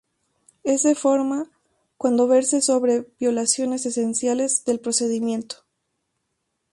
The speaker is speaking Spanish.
Es de forma, cuando verse sobre violaciones esenciales del procedimiento.